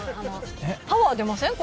パワー出ません？